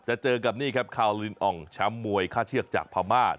จะเจอกับนี่ครับคาวลินอองช้ำมวยค่าเชือกจากพามาร์